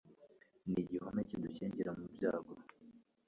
ni igihome kidu kingingira mu byago